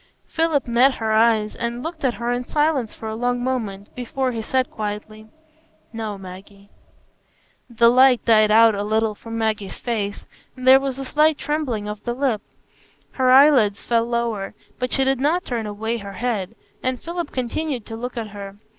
Philip met her eyes and looked at her in silence for a long moment, before he said quietly, "No, Maggie." The light died out a little from Maggie's face, and there was a slight trembling of the lip. Her eyelids fell lower, but she did not turn away her head, and Philip continued to look at her.